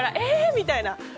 みたいな。